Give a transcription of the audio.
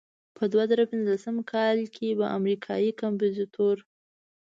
په دوه زره پنځلسم کال کې به امریکایي کمپوزیتور.